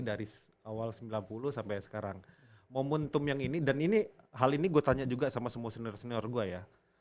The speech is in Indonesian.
dari awal sembilan puluh sampai sekarang momentum yang ini dan ini hal ini gue tanya juga sama semua senior senior gue ya